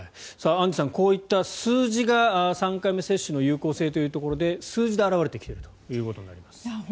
アンジュさんこういった数字が３回目接種の有効性というところで数字で表れてきているということになります。